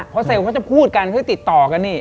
เพราะเซลล์เขาจะพูดกันเขาติดต่อกันนี่